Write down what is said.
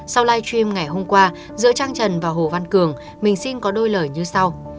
sau live stream ngày hôm qua giữa trang trần và hồ văn cường mình xin có đôi lời như sau